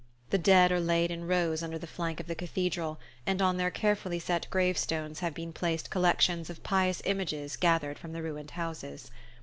The dead are laid in rows under the flank of the cathedral, and on their carefully set grave stones have been placed collections of pious images gathered from the ruined houses.